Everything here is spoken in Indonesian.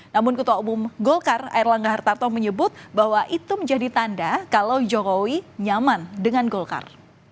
namun ketua umum golkar air langga hartarto menyebut bahwa itu menjadi tanda kalau jokowi nyaman dengan golkar